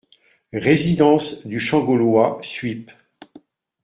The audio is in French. Résidence du Champ Gaulois, Suippes